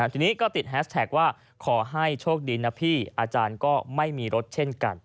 ทีนี้ก็ติดแฮสแท็กว่าขอให้โชคดีนะพี่อาจารย์ก็ไม่มีรถเช่นกัน